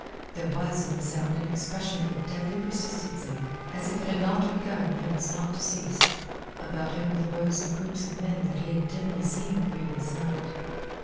There was in the sound an expression of a deadly persistency, as if it had not began and was not to cease. About him were the rows and groups of men that he had dimly seen the previous night.